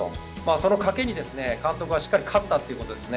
その賭けに監督はしっかり勝ったということですね。